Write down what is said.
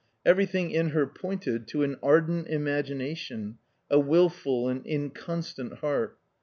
Everything in her pointed to an ardent imagination, a wilful and inconstant heart.